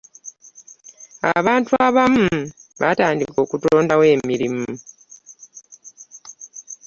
abantu abamu baatandika okutondawo emirimu.